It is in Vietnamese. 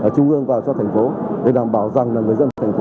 trung ương vào cho thành phố để đảm bảo rằng là người dân thành phố